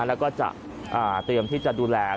แล้วก็จะเตรียมที่จะดูแล